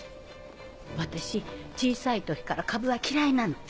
私小さい時からカブは嫌いなの。